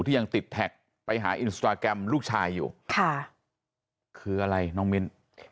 ยังติดแท็กไปหาอินสตราแกรมลูกชายอยู่ค่ะคืออะไรน้องมิ้น